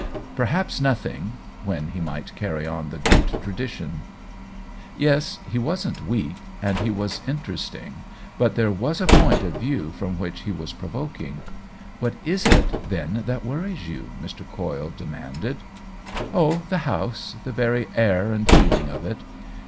" Perhaps nothing "— when he might carry on the great tradition ! Yes, he wasn't weak, and he was interesting; but there was a point of view from which he was provoking. " What is it, then, that worries you?" Mr. Coyle de manded. " Oh, the house — the very air and feeling of it.